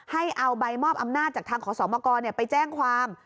ให้เอาใบมอบอำนาจจากทางขอสมกรไปแจ้งความ